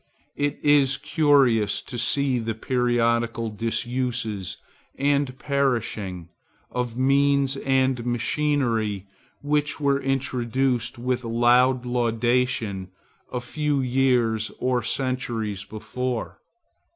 It is curious to see the periodical disuse and perishing of means and machinery which were introduced with loud laudation a few years or centuries before.